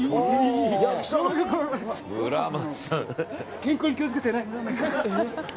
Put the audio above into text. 健康に気を付けてね！